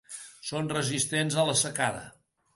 Són resistents a la secada.